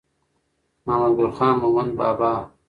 محمد ګل خان مومند بابا